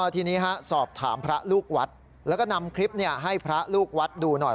ทีนี้สอบถามพระลูกวัดแล้วก็นำคลิปให้พระลูกวัดดูหน่อย